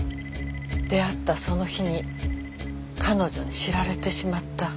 出会ったその日に彼女に知られてしまった。